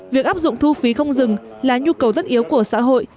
việc áp dụng thu phí không dừng là nhu cầu tất yếu của xã hội